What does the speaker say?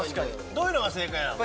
どういうのが正解なの？